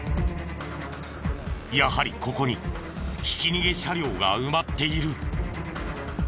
やはりここにひき逃げ車両が埋まっている。